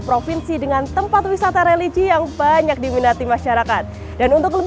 provinsi dengan tempat wisata religi yang banyak diminati masyarakat dan untuk